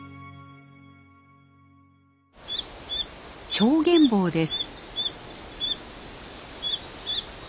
チョウゲンボウです。